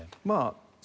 まあ。